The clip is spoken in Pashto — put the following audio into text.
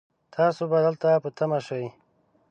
تاسو به دلته په تمه شئ